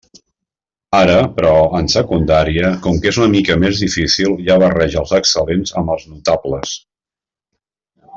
Ara, però, en Secundària, com que és una mica més difícil, ja barreja els excel·lents amb els notables.